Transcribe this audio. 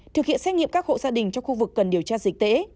thực hiện xét nghiệm các hộ gia đình trong khu vực cần điều tra dịch tễ